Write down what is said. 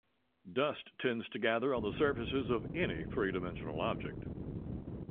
Dust tends to gather on the surfaces of any three-dimensional object.